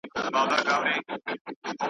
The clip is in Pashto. چي عقل نه لري هیڅ نه لري .